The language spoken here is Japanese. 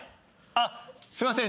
あっすいません。